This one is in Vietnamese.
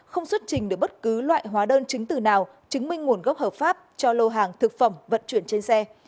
không xuất trình được bất cứ loại hóa đơn chứng từ nào chứng minh nguồn gốc hợp pháp cho lô hàng thực phẩm vận chuyển trên xe